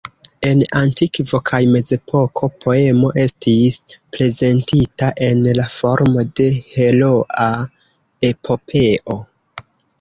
En antikvo kaj mezepoko poemo estis prezentita en la formo de heroa epopeo.